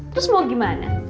terus mau gimana